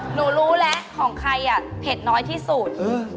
หนูรู้แล้วของใครอ่ะเผ็ดน้อยที่สุด